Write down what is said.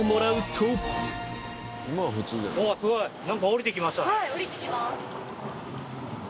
何か下りてきましたね。